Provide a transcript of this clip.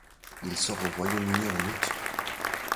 Il sort au Royaume-Uni en août.